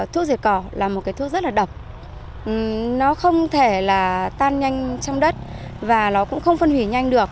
thuốc diệt cỏ là một thuốc rất đậm nó không thể tan nhanh trong đất và nó cũng không phân hủy nhanh được